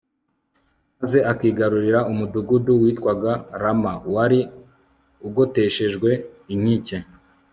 maze akigarurira umudugudu witwaga Rama wari ugoteshejwe inkike